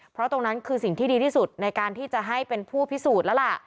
เพราะตรงนั้นคือสิ่งที่ดีที่สุดในการที่จะให้เป็นผู้พิสูจน์แล้วล่ะ